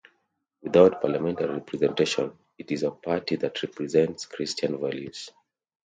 Without parliamentary representation, it is a party that represents Christian values.